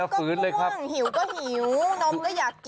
คือถ้าง่วงก็นอนสิครับ